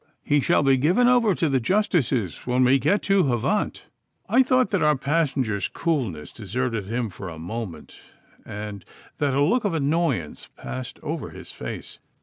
He shall be given over to the justices when we get to Havant.' I thought that our passenger's coolness deserted him for a moment, and that a look of annoyance passed over his face.